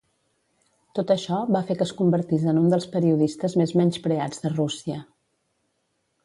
Tot això va fer que es convertís en un dels periodistes més menyspreats de Rússia.